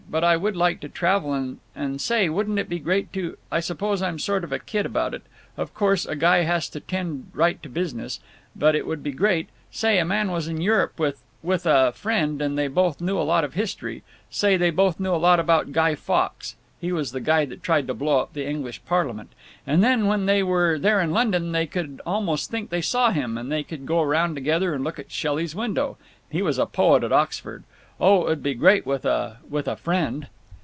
But I would like to travel and—Say, wouldn't it be great to—I suppose I'm sort of a kid about it; of course, a guy has to tend right to business, but it would be great—Say a man was in Europe with—with—a friend, and they both knew a lot of history—say, they both knew a lot about Guy Fawkes (he was the guy that tried to blow up the English Parliament), and then when they were there in London they could almost think they saw him, and they could go round together and look at Shelley's window—he was a poet at Oxford—Oh, it would be great with a—with a friend."